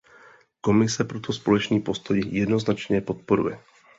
Komise proto společný postoj jednoznačně podporuje.